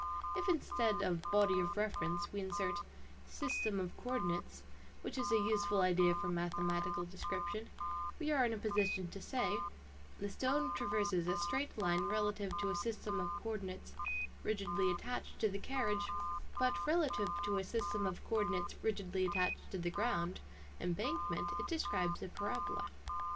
If instead of " body of reference " we insert " system of co ordinates," which is a useful idea for mathematical description, we are in a position to say : The stone traverses a straight line relative to a system of co ordinates rigidly attached to the carriage, but relative to a system of co ordinates rigidly attached to the ground (embankment) it describes a parabola.